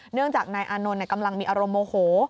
เนื่องจากนายอานนท์กำลังมีอารมณ์โมโห